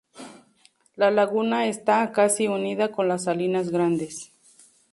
La laguna está casi unida con las Salinas Grandes.